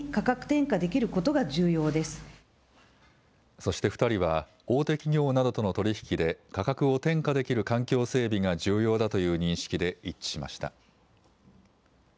そして２人は大手企業などとの取り引きで価格を転嫁できる環境整備が重要だという認識で一致しました。